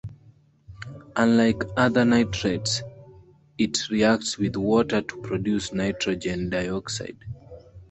Unlike other nitrates it reacts with water to produce nitrogen dioxide.